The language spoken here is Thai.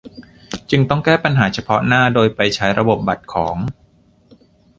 จึงต้องแก้ปัญหาเฉพาะหน้าโดยไปใช้ระบบบัตรของ